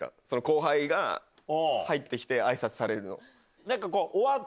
後輩が入って来て挨拶されるの。